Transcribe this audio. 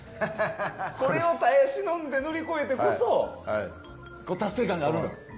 これを耐え忍んで乗り越えてこそ達成感があると。